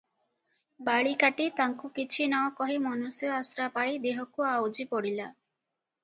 ବାଳିକାଟି ତାଙ୍କୁ କିଛି ନକହି ମନୁଷ୍ୟ ଆଶ୍ରା ପାଇ ଦେହକୁ ଆଉଜି ପଡ଼ିଲା ।